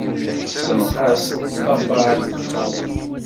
Tessenqas tafar deg texxamt.